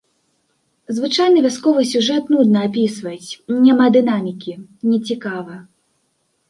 Звычайны вясковы сюжэт нудна апісваць, няма дынамікі, нецікава.